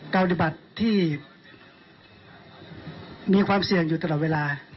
ปฏิบัติที่มีความเสี่ยงอยู่ตลอดเวลา